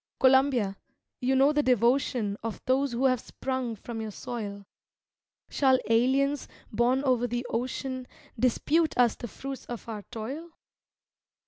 Columbia, you know the devotion Of those who have sprung from your soil; Shall aliens, born over the ocean, Dispute us the fruits of our toil?